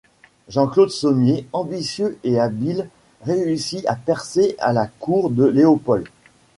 Jean-Claude Sommier, ambitieux et habile, réussit à percer à la cour de Léopold.